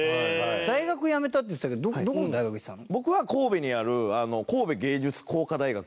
大学辞めたって言ってたけどどこの大学行ってたの？